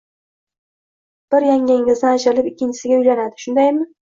Bir yangangizdan ajralib, ikkinchisiga uylanadi, shundaymi